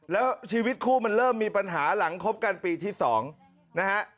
แล้วชีวิตคู่มันเริ่มมีปัญหาหลังคบกันปีที่๒นะฮะ